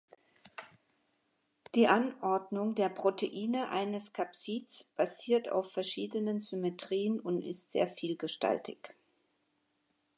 Die Anordnung der Proteine eines Kapsids basiert auf verschiedenen Symmetrien und ist sehr vielgestaltig.